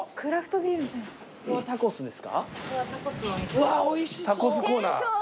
うわおいしそう！